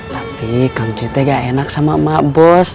tapi kang encuy tuh gak enak sama emak bos